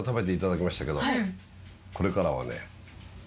これからは。